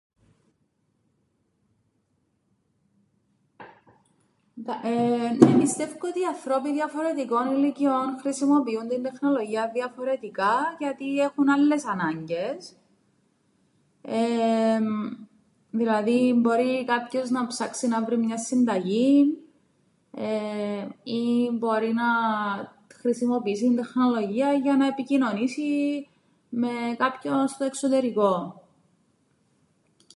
Εεε νναι πιστεύκω ότι ανθρώποι διαφορετικών ηλικιών χρησιμοποιούν την τεχνολογίαν διαφορετικά, γιατί έχουν άλλες ανάγκες. Δηλαδή μπορεί κάποιος να ψάξει να βρει μιαν συνταγήν, ή μπορεί να χρησιμοποιήσει την τεχνολογίαν για να επικοινωνήσει με κάποιον στο εξωτερικόν.